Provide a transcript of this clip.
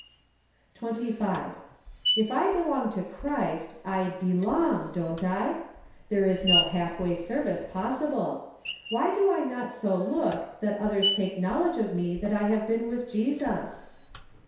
25. If I belong to Christ, I belong , don't I ? There is no half way service possible. AVhy do I not so look that others take knowledge of me that I have been with Jesus